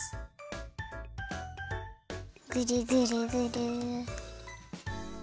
ぐるぐるぐる。